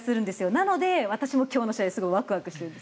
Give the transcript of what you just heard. なので私も今日の試合ワクワクしてるんです。